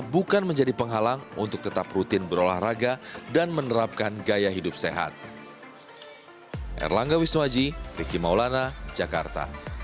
bukan menjadi penghalang untuk tetap rutin berolahraga dan menerapkan gaya hidup sehat